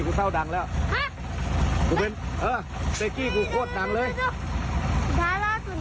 กูม้าแตกกูเป็นลุงอ่ะนั่น